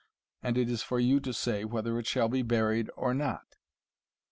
And it is for you to say whether it shall be buried or not."